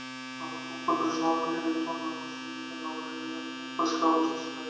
উহা খুব ক্ষুদ্র শহর বটে, কিন্তু অন্যান্য সুনির্মিত নগরীর ন্যায় খুব পরিষ্কার-ঝরিষ্কার।